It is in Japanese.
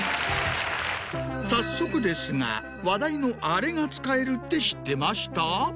早速ですが話題のあれが使えるって知ってました？